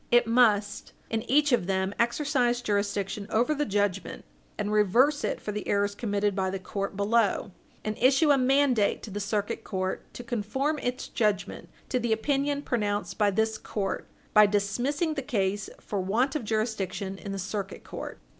It must, in each of them, exercise jurisdiction over the judgment, and reverse it for the errors committed by the court below; and issue a mandate to the Circuit Court to conform its judgment to the opinion pronounced by this court, by dismissing the case for want of jurisdiction in the Circuit Court.